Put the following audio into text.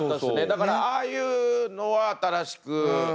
だからああいうのは新しく。